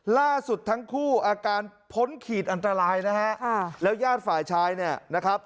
ล่าสุดทั้งคู่อาการพ้นขีดอันตรายนะฮะค่ะแล้วญาติฝ่ายชายเนี่ยนะครับ